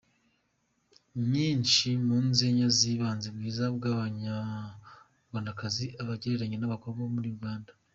Nyinshi mu nzenya ze yibanze bwiza bw’Abanyarwandakazi abagereranya n’abakobwa bo muri Uganda.